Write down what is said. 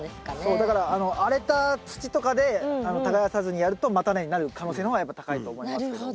だから荒れた土とかで耕さずにやると叉根になる可能性の方がやっぱ高いと思いますけども。